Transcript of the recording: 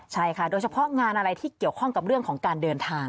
ใช่ค่ะโดยเฉพาะงานอะไรที่เกี่ยวข้องกับเรื่องของการเดินทาง